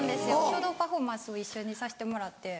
書道パフォーマンスを一緒にさせてもらって。